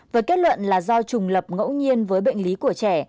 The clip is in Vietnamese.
với kết luận là do trùng lập ngẫu nhiên với bệnh lý của trẻ